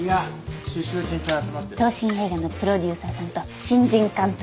東進映画のプロデューサーさんと新人監督さん。